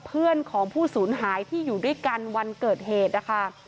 เพื่อนของผู้สูญหายที่อยู่ด้วยกันวันเกิดเหตุนะคะ